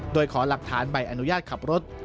โดยขอหลักฐานใบอนุญาตขับรถ